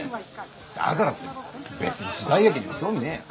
だからって別に時代劇にも興味ねえよ。